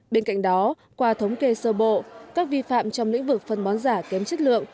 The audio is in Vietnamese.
bên cạnh đó qua thống kê sơ bộ các vi phạm trong lĩnh vực phân bón giả kém chất lượng